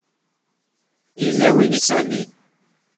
Yella win i yettɣennin.